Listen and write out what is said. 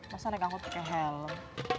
masa naik angkot pake helm